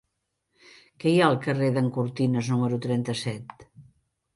Què hi ha al carrer d'en Cortines número trenta-set?